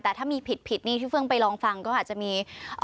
แต่ถ้ามีผิดนี่พี่เฟื่องไปลองฟังก็อาจจะมี